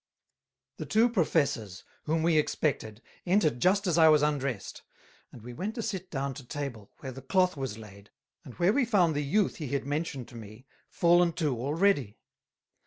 The Two Professors, whom we expected, entered just as I was undrest, and we went to sit down to Table, where the Cloth was laid, and where we found the Youth he had mentioned to me, fallen to already.